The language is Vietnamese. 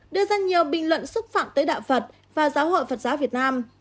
đưa ra nhiều bình luận xúc phạm tới đạo phật và giáo hội phật giáo việt nam